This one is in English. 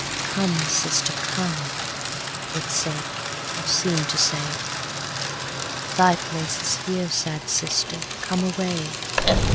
'Come, sister, come!' (it said, or seem'd to say) 'Thy place is here, sad sister, come away!